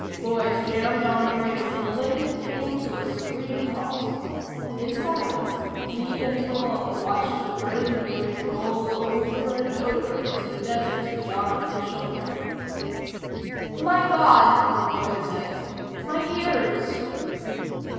Boyd jammed on the brakes and the Lincoln came to a screaming halt. In silence he and Malone watched the burning Buick roll over and over into the desert beyond the shoulder. "My God," Boyd said. "My ears!"